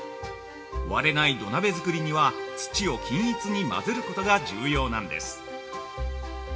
割れない土鍋作りには土を均一に混ぜることが重要なんです。